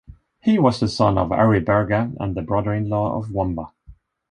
He was the son of Ariberga and the brother in law of Wamba.